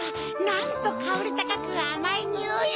なんとかおりたかくあまいにおい！